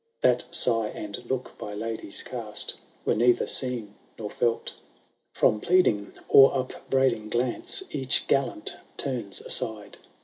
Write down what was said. That sigh and look, by ladies cast, Were neither seen nor felt From pleading, or upbraiding glance, Each gallant turns aside.